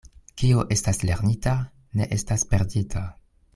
Kio estas lernita, ne estas perdita.